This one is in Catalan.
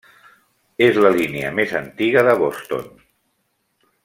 És la línia més antiga de Boston.